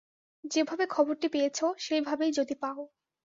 যেভাবে খবরটি পেয়েছ, সেইভাবেই যদি পাও।